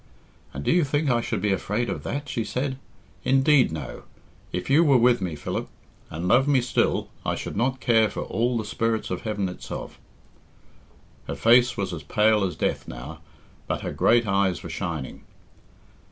"And do you think I should be afraid of that?" she said. "Indeed, no. If you were with me, Philip, and loved me still, I should not care for all the spirits of heaven itself." Her face was as pale as death now, but her great eyes were shining.